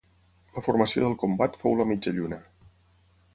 La formació del combat fou la mitja lluna.